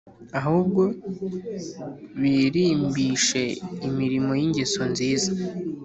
ahubwo birimbishishe imirimo y’ingeso nziza